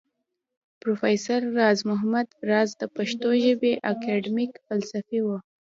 پروفېسر راز محمد راز د پښتو ژبى اکېډمک فلسفى و